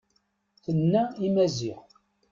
Tenna i Maziɣ.